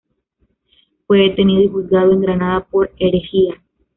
Fue detenido y juzgado en Granada por herejía.